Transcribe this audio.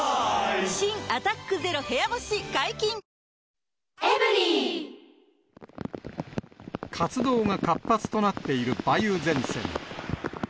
新「アタックＺＥＲＯ部屋干し」解禁‼活動が活発となっている梅雨前線。